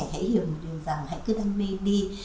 hãy hiểu một điều rằng hãy cứ đam mê đi